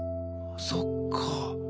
そっかぁ。